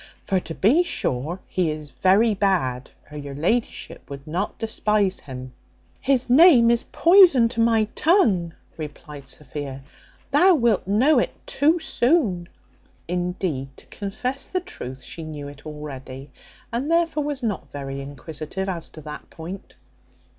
for to be sure he is very bad, or your la'ship would not despise him." "His name is poison to my tongue," replied Sophia: "thou wilt know it too soon." Indeed, to confess the truth, she knew it already, and therefore was not very inquisitive as to that point.